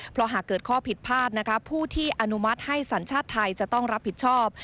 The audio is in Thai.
เพราะหากเกิดข้อผิดพลาดนะคะผู้ที่อนุมัติให้สัญชาติไทยจะต้องรับผิดชอบ